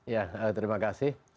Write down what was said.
ya terima kasih